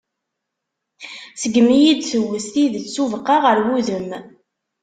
Segmi iyi-d-tewwet tidet s ubeqqa ɣer wudem.